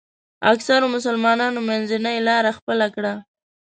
اکثرو مسلمانانو منځنۍ لاره خپله کړه.